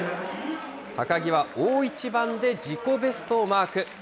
高木は大一番で自己ベストをマーク。